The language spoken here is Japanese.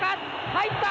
入った！